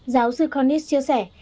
giáo sư cornice chia sẻ